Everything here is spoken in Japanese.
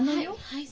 はい。